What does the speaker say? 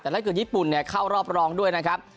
แต่ถ้าเกิดญี่ปุ่นเข้ารอบรองด้วยนะครับ